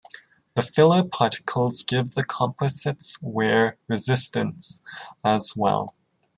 The filler particles give the composites wear resistance as well.